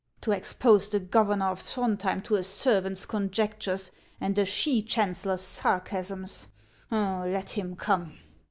To expose the governor of Tliroudhjem to a servant's conjectures and a she chancellor's sarcasms ! Let him come